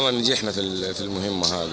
dan semoga kami berhasil dalam hal ini